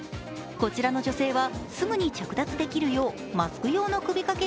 こちらの女性はすぐに着脱できるようマスク用の首掛け